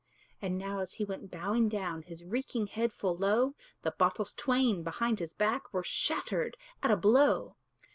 And now, as he went bowing down His reeking head full low, The bottles twain behind his back Were shattered at a blow.